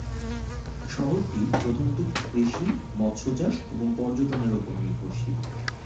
শহরটি প্রধানত কৃষি, মৎস্যচাষ এবং পর্যটনের উপর নির্ভরশীল।